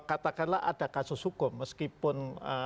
katakanlah ada kasus hukum meskipun